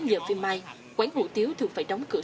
giờ phim mai quán hủ tiếu thường phải đóng cửa